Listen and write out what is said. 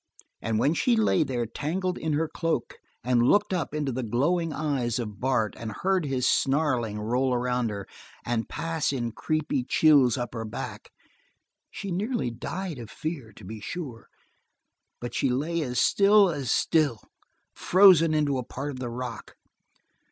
And when she lay there tangled in her cloak and looked up into the glowing eyes of Bart and heard his snarling roll around her, and pass in creepy chills up her back, she nearly died of fear, to be sure, but she lay as still as still, frozen into a part of the rock.